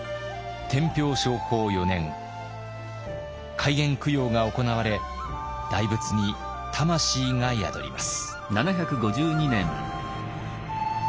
開眼供養が行われ大仏に魂が宿ります。